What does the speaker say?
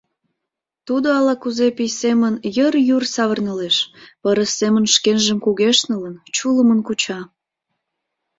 Тудо ала-кузе пий семын йыр-юр савырнылеш, пырыс семын шкенжым кугешнылын, чулымын куча.